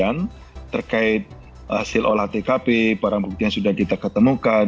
kami juga menunggu hasil buktian terkait hasil olah tkp barang buktian sudah kita ketemukan